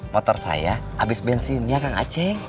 motor saya habis bensin ya kang aceh